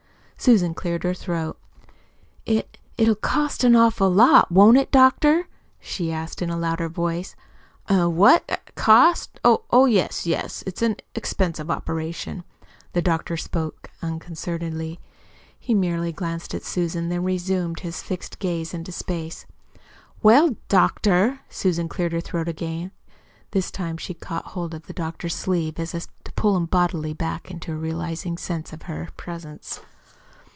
Susan cleared her throat. "It it'll cost an awful lot, won't it, doctor?" she asked in a louder voice. "Eh? What? Cost? Oh, yes, yes; it is an expensive operation." The doctor spoke unconcernedly. He merely glanced at Susan, then resumed his fixed gaze into space. "Well, doctor." Susan cleared her throat again. This time she caught hold of the doctor's sleeve as if to pull him bodily back to a realizing sense of her presence.